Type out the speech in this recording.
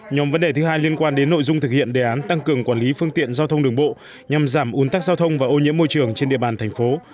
nhóm vấn đề thứ hai liên quan đến nội dung thực hiện đề án tăng cường quản lý phương tiện giao thông đường bộ nhằm giảm un tắc giao thông và ô nhiễm môi trường trên địa bàn thành phố